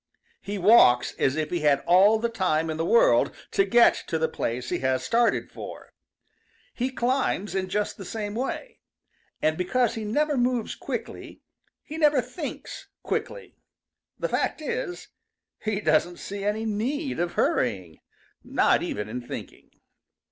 He walks as if he had all the time in the world to get to the place he has started for. He climbs in just the same way. And because he never moves quickly, he never thinks quickly. The fact is, he doesn't see any need of hurrying, not even in thinking.